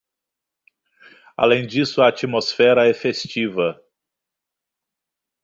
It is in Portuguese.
Além disso, a atmosfera é festiva.